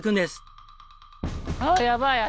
やばい足。